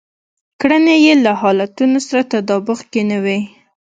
کړنې يې له حالتونو سره تطابق کې نه وي.